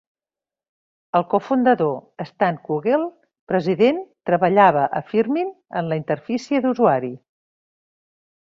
El co-fundador Stan Kugell, president, treballava a Firmin en la interfície d'usuari.